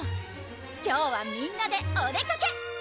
今日はみんなでお出かけ！